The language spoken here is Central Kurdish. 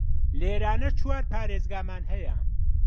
لێرانە چوار پاریزگامان هەیە